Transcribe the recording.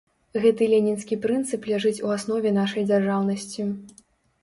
Гэты ленінскі прынцып ляжыць у аснове нашай дзяржаўнасці.